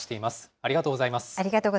ありがとうございます。